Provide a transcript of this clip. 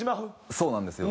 そうなんですよ。